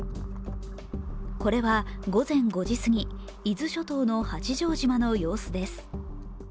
これは午前５時過ぎ、伊豆諸島の八丈島の様子です。